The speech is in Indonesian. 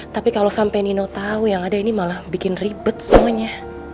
tapi kalo sampe nino tau yang ada ini malah bikin ribet semuanya